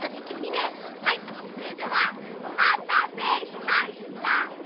はいそれではおまたせしました。